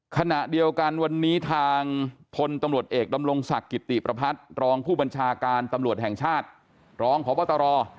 ขณะเดียวกันวันนี้ทางพลตำรวจเอกดำรงศักดิ์กิติประพัฒน์รองผู้บัญชาการตำรวจแห่งชาติรองพบตร